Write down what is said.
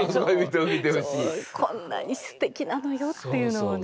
こんなにすてきなのよっていうのをね。